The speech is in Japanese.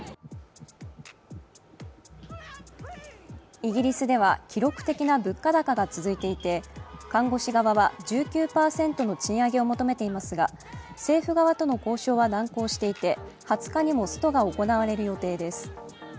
イギリスでは記録的な物価高が続いていて看護師側は１９％の賃上げを求めていますが、政府側との交渉は難航していて２０日にもストが行われる予定です。